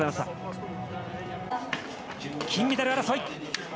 金メダル争い。